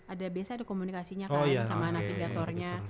ada biasa komunikasinya kan sama navigatornya